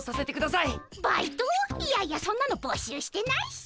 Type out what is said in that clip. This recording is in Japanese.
いやいやそんなの募集してないし。